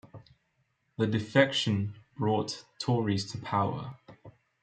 The defection brought the Tories to power.